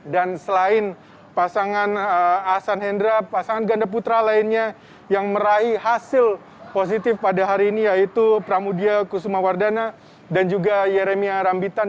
dan selain pasangan ahsan hendra pasangan ganda putra lainnya yang meraih hasil positif pada hari ini yaitu pramudya kusumawardana dan juga yeremia rambitan